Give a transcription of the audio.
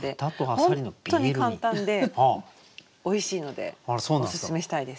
本当に簡単でおいしいのでおすすめしたいです。